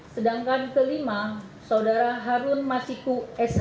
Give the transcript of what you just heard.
sedangkan kelima saudara harun masiku sh